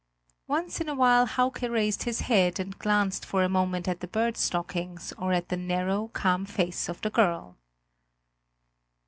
Once in a while Hauke raised his head and glanced for a moment at the bird stockings or at the narrow, calm face of the girl.